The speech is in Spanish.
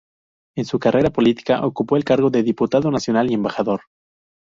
En su carrera política, ocupó el cargo de diputado nacional y embajador.